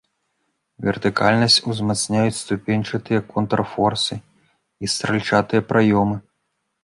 Вертыкальнасць узмацняюць ступеньчатыя контрфорсы і стральчатыя праёмы.